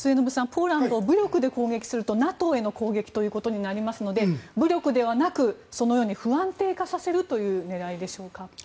ポーランドを武力で攻撃するとＮＡＴＯへの攻撃ということになりますので武力ではなくそのように不安定化させるという狙いでしょうか。